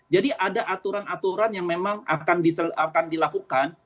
jadi ada aturan aturan yang memang akan dilakukan